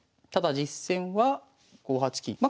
ただ実戦は５八金。